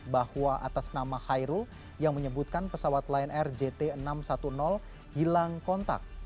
bahwa atas nama khairul yang menyebutkan pesawat lion air jt enam ratus sepuluh hilang kontak